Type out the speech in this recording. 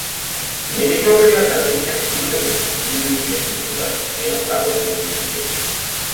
Мне весьма приятно отметить активное и конструктивное участие государств-членов в работе нынешней сессии.